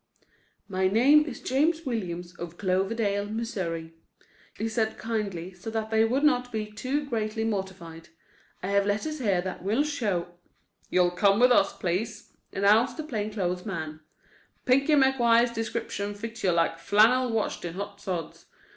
"My name is James Williams, of Cloverdale, Missouri," he said kindly, so that they would not be too greatly mortified. "I have letters here that will show—" "You'll come with us, please," announced the plainclothes man. "'Pinky' McGuire's description fits you like flannel washed in hot suds.